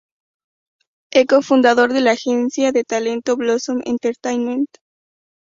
E co-fundador de la agencia de talento Blossom Entertainment.